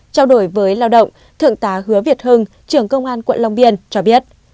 trao đổi với lao động thượng tá hứa việt hưng trưởng công an quận long biên cho biết